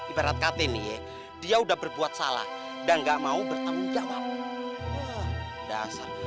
ibarat katanya dia udah berbuat salah dan gak mau bertanggung jawab